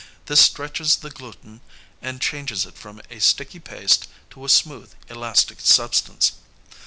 This stretches the gluten and changes it from a sticky paste to a smooth, elastic substance.